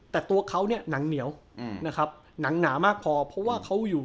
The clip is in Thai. แต่ตัวเขาเนี่ยหนังเหนียวนะครับหนังหนามากพอเพราะว่าเขาอยู่